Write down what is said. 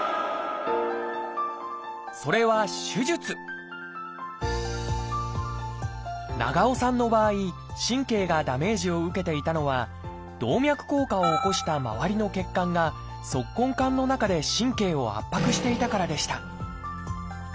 それは長尾さんの場合神経がダメージを受けていたのは動脈硬化を起こした周りの血管が足根管の中で神経を圧迫していたからでした